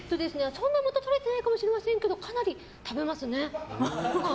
そんな元取れないかもしれませんがかなり食べますね。